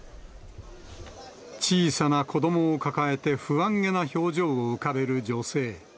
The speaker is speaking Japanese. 小さな子どもを抱えて不安げな表情を浮かべる女性。